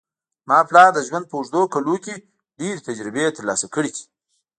زما پلار د ژوند په اوږدو کلونو کې ډېرې تجربې ترلاسه کړې دي